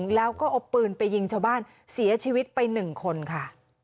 แล้วก็เอาปืนไปยิงชาวบ้านเสียชีวิตไป๑คนค่ะ